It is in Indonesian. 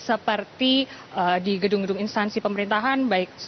seperti di gedung gedung instansi pemerintahan